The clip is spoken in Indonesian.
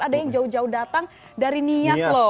ada yang jauh jauh datang dari nias loh